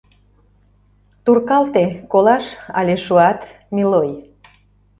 Туркалте — колаш але шуат... милой!